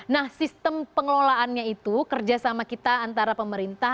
nah sistem pengelolaannya itu kerjasama kita antara pemerintah